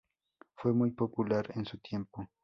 Fue muy popular en su tiempo.